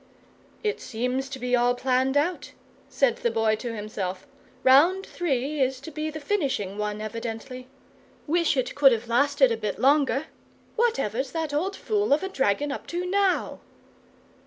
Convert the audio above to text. "It seems to be all planned out," said the Boy to himself. "Round Three is to be the finishing one, evidently. Wish it could have lasted a bit longer. Whatever's that old fool of a dragon up to now?"